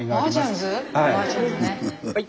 はい。